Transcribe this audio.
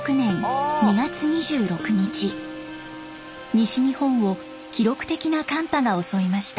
西日本を記録的な寒波が襲いました。